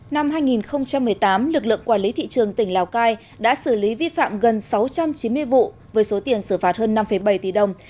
năm hai nghìn một mươi tám lực lượng quản lý thị trường tỉnh lào cai đã xử lý vi phạm gần sáu trăm chín mươi vụ với số tiền xử phạt hơn năm bảy tỷ đồng